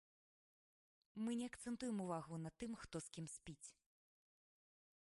Мы не акцэнтуем увагу на тым, хто з кім спіць.